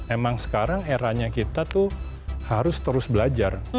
emang sekarang eranya kita tuh harus terus belajar